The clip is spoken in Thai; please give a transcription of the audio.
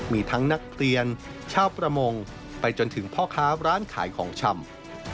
มีทั้งนักเรียนชาวประมงไปจนถึงพ่อค้าร้านขายของชำ